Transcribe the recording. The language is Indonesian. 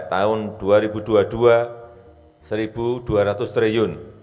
tahun dua ribu dua puluh dua rp satu dua ratus triliun